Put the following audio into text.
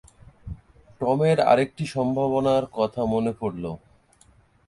টমের আরেকটি সম্ভাবনার কথা মনে পড়ল।